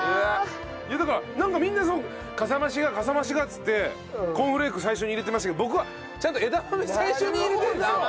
いやだからなんかみんなかさ増しがかさ増しがっつってコーンフレーク最初に入れてましたけど僕はちゃんと枝豆最初に入れてるんですよ。